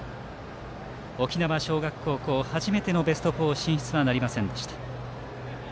沖縄尚学高校初めてのベスト４進出はなりませんでした。